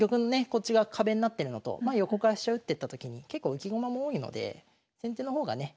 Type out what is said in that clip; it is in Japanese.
こっち側壁になってるのと横から飛車打ってった時に結構浮き駒も多いので先手の方がね